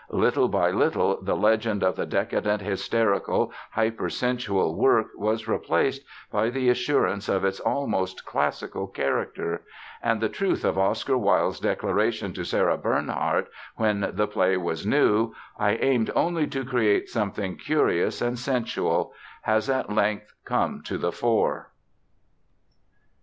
Little by little the legend of the decadent, hysterical, hyper sensual work was replaced by the assurance of its almost classical character; and the truth of Oscar Wilde's declaration to Sarah Bernhardt when the play was new: "I aimed only to create something curious and sensual" has at length come to the fore.